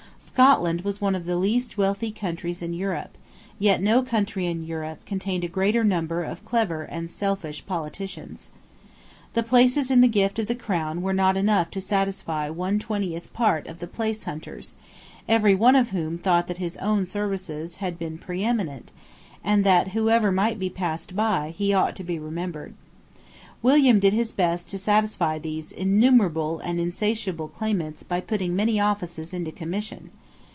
Scotland was one of the least wealthy countries in Europe: yet no country in Europe contained a greater number of clever and selfish politicians. The places in the gift of the Crown were not enough to satisfy one twentieth part of the placehunters, every one of whom thought that his own services had been preeminent, and that, whoever might be passed by, he ought to be remembered. William did his best to satisfy these innumerable and insatiable claimants by putting many offices into commission.